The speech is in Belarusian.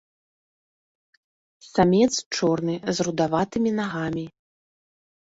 Самец чорны з рудаватымі нагамі.